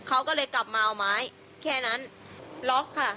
เขาก็เลยกลับมาเอาไม้แค่นั้นล็อกค่ะ